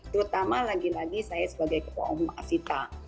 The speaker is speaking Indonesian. terutama lagi lagi saya sebagai ketua umum asita